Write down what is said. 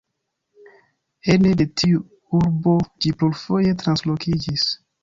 Ene de tiu urbo ĝi plurfoje translokiĝis.